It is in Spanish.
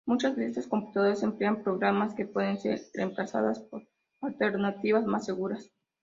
Muchas de estas computadoras emplean programas que pueden ser reemplazados por alternativas más seguras.